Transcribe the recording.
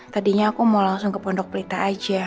tadinya aku mau langsung ke pondok pelita aja